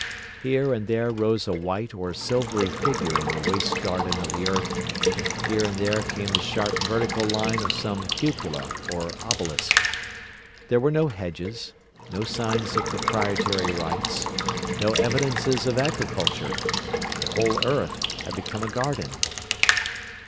Here and there rose a white or silvery figure in the waste garden of the earth, here and there came the sharp vertical line of some cupola or obelisk. There were no hedges, no signs of proprietary rights, no evidences of agriculture; the whole earth had become a garden.